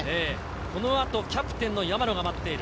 この後、キャプテンの山野が待っている。